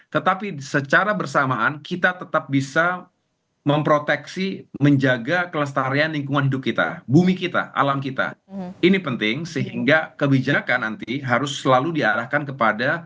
tetapi secara bersamaan kita tetap bisa memproteksi menjaga kelestarian lingkungan hidup kita bumi kita alam kita ini penting sehingga kebijakan nanti harus selalu diarahkan kepada